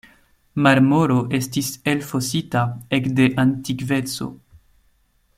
Marmoro estis elfosita ekde antikveco.